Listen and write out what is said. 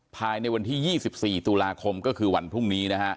ภายในวันที่๒๔ตุลาคมก็คือวันพรุ่งนี้นะฮะ